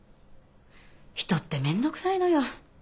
人ってめんどくさいのよ。